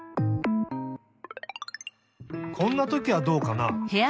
こんなときはどうかな？